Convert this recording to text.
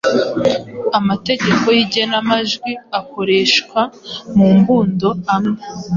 Amategeko y’igenamajwi akoreshwa mu mbundo amwe